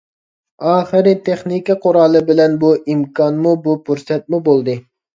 ئاخىرى تېخنىكا قورالى بىلەن بۇ ئىمكانمۇ، بۇ پۇرسەتمۇ بولدى.